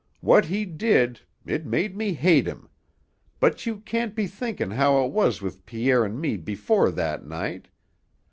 What he did, it made me hate him but you can't be thinkin' how it was with Pierre an' me before that night.